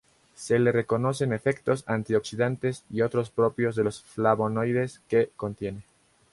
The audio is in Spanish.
Se le reconocen efectos antioxidantes y otros propios de los flavonoides que contiene.